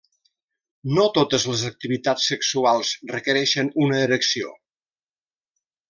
No totes les activitats sexuals requereixen una erecció.